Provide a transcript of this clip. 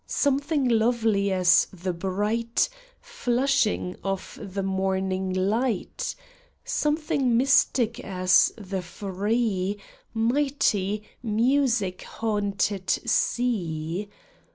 Something lovely as the bright Flushing of the morning light; Something mystic as the free Mighty, music haunted sea?